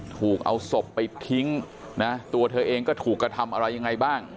ถูกเอาศพไปทิ้งนะตัวเธอเองก็ถูกกระทำอะไรยังไงบ้าง